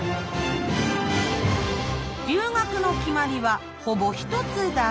留学の決まりはほぼ一つだけ。